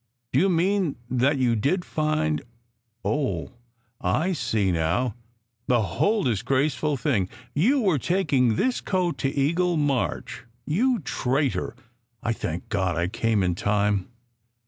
"Do you mean that you did find oh! I see now the whole disgraceful thing! You were taking this coat to Eagle March. You traitor! I thank God I came in time."